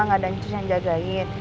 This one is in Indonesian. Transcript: gak ada anjus yang jagain